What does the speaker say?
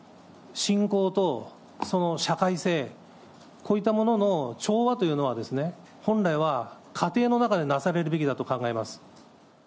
信仰とその社会性、こういったものの調和というのは、本来は家庭の中でなされるべきだと考えます。